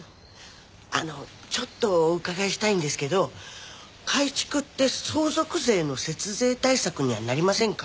あのちょっとお伺いしたいんですけど改築って相続税の節税対策にはなりませんか？